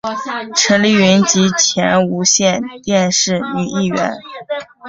陈丽云及前无线电视女艺员。